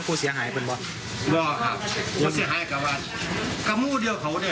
ดูรจอดหูเข้าใจ